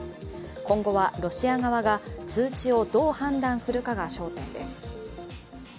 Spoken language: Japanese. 今後はロシア側が通知をどう判断するかが焦点です。